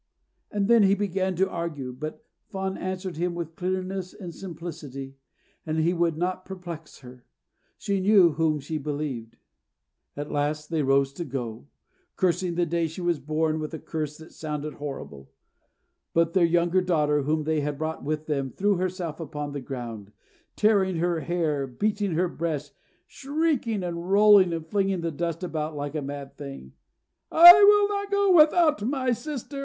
And then he began to argue, but Fawn answered him with clearness and simplicity, and he could not perplex her. She knew Whom she believed. At last they rose to go, cursing the day she was born with a curse that sounded horrible. But their younger daughter, whom they had brought with them, threw herself upon the ground, tearing her hair, beating her breast, shrieking and rolling and flinging the dust about like a mad thing. "I will not go without my sister!